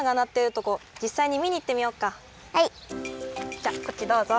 じゃあこっちどうぞ。